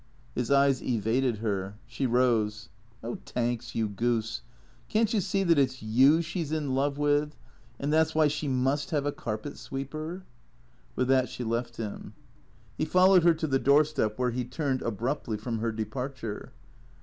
His eyes evaded her. She rose. " Oh, Tanks, you goose. Can't you see that it 's you she 's in love with — and that 's why she must have a carpet sweeper ?" With that she left him. He followed her to the doorstep where he turned abruptly from her departure.